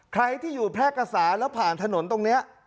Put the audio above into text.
ใครที่อยู่แพร่กษาแล้วผ่านถนนตรงนี้